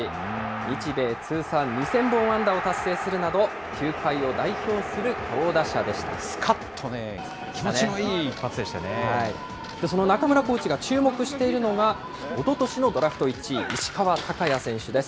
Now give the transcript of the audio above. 日米通算２０００本安打を達成するなど、球界を代表する強打者ですかっとね、気持ちのいい一その中村コーチが注目しているのが、おととしのドラフト１位、石川昂弥選手です。